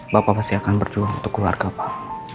bapak pasti akan berjuang untuk keluarga pak